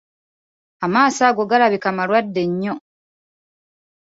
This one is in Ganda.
Amaaso ago galabika malwadde nnyo.